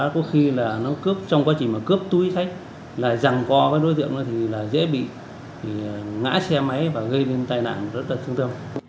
có khi là nó cướp trong quá trình mà cướp túi sách là rằng co với đối tượng nó thì dễ bị ngã xe máy và gây nên tai nạn rất là tương tương